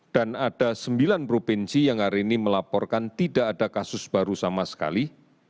dan ada sembilan prinsip yang hari ini melaporkan tidak ada kasus baru sama sekali